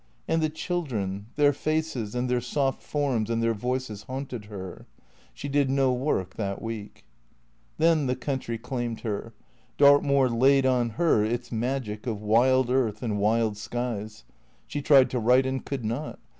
And the children, their faces and their soft forms and their voices haunted her. She did no work that week. Then the country claimed her. Dartmoor laid on her its magic of wild earth and wild skies. She tried to write and could not.